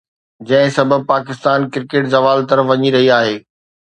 جنهن سبب پاڪستان ڪرڪيٽ زوال طرف وڃي رهي آهي.